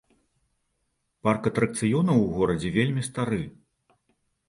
Парк атракцыёнаў у горадзе вельмі стары.